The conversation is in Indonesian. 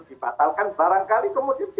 dibatalkan barangkali kemudian dia